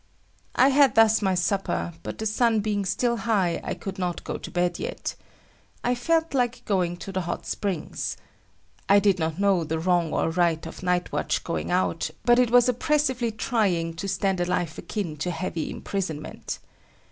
I had thus my supper, but the sun being still high, could not go to bed yet. I felt like going to the hot springs. I did not know the wrong or right of night watch going out, but it was oppressively trying to stand a life akin to heavy imprisonment.